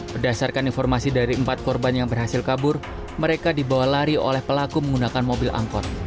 berdasarkan informasi dari empat korban yang berhasil kabur mereka dibawa lari oleh pelaku menggunakan mobil angkot